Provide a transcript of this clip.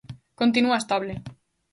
Continúa estable.